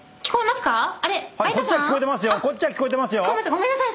ごめんなさい。